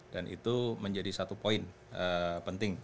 dan itu menjadi satu poin penting